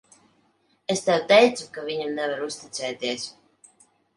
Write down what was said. Es tev teicu, ka viņam nevar uzticēties.